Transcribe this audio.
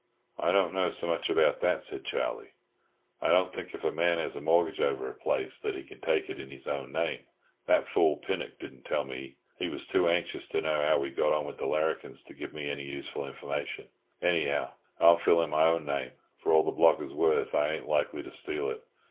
"I don't know so much about that," said Charlie. "I don't think, if a man has a mortgage over a place, that he can take it in his own name. That fool Pinnock didn't tell me. He was too anxious to know how we got on with the larrikins to give me any useful information. Anyhow, I'll fill in my own name—for all the block is worth I ain't likely to steal it.